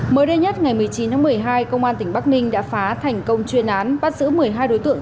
mới đây nhất ngày một mươi chín tháng một mươi hai công an tỉnh bắc ninh đã phá thành công chuyên án bắt giữ một mươi hai đối tượng